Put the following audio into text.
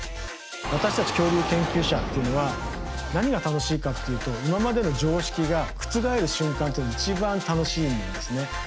私たち恐竜研究者っていうのは何が楽しいかっていうと今までの常識が覆る瞬間っていうのが一番楽しいんですね。